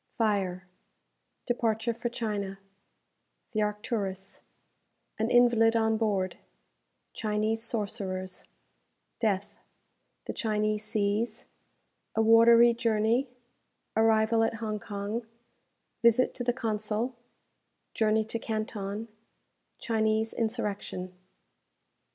Fire Departure for China The "Arcturus" An Invalid on Board Chinese Sorcerers Death The Chinese Seas A Watery Journey Arrival at Hong Kong Visit to the Consul Journey to Canton Chinese Insurrection.